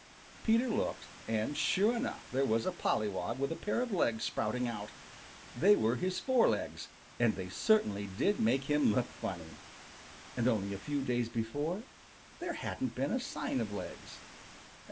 Peter looked, and sure enough there was a pollywog with a pair of legs sprouting out. They were his fore legs, and they certainly did make him look funny. And only a few days before there hadn't been a sign of legs.